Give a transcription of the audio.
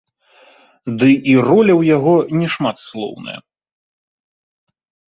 Ды і роля ў яго не шматслоўная.